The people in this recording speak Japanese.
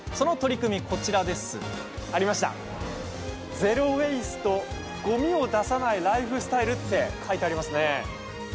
ゼロ・ウェイストごみを出さないライフスタイルって書いてありますね。